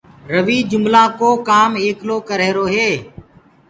رويٚ جُملآنٚ ڪو ڪآم ايڪلو ڪرريهرو هي